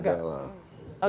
tidak beda lah